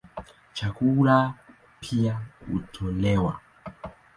Chakula pia hutolewa.